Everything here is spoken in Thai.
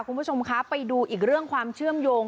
คุณผู้ชมคะไปดูอีกเรื่องความเชื่อมโยง